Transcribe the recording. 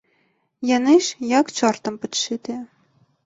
Яны ж, як чортам падшытыя.